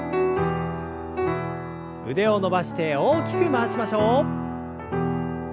腕を伸ばして大きく回しましょう。